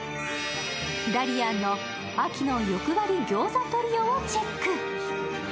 ＤＡＬＩＡＮの秋の欲張り餃子トリオをチェック。